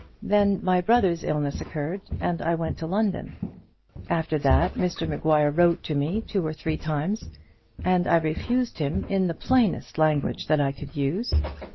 "Then my brother's illness occurred, and I went to London. After that Mr Maguire wrote to me two or three times, and I refused him in the plainest language that I could use.